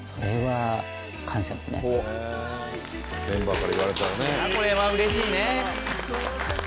これは嬉しいね。